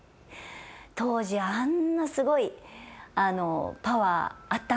当時あんなすごいパワーあったんだと。